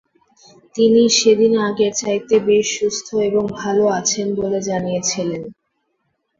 তিনি সেদিন আগের চাইতে বেশ সুস্থ এবং ভালো আছেন বলে জানিয়েছিলেন।